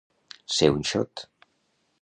Ser un xot.